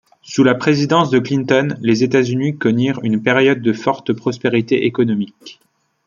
Sous la présidence de Clinton, les États-Unis connurent une période de forte prospérité économique.